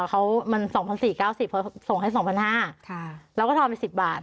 เขามันสองพันสี่เก้าสิบส่งให้สองพันห้าค่ะแล้วก็ทอนไปสิบบาท